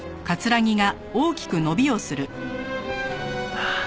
ああ。